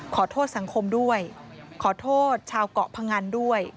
ขอโทษสังคมด้วยขอโทษชาวเกาะพงันด้วย